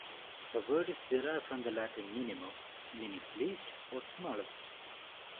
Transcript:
The word is derived from the Latin "minimum", meaning "least" or "smallest".